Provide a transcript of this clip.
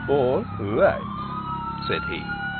"All right!" said he.